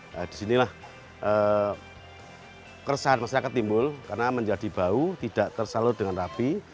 nah disinilah keresahan masyarakat timbul karena menjadi bau tidak tersalur dengan rapi